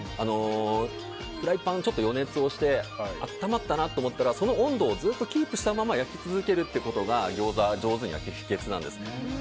フライパンを余熱して温まったなと思ったらその温度をずっとキープしたまま焼き続けることがギョーザを上手に焼く秘訣なんです。